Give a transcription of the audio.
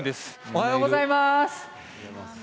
おはようございます。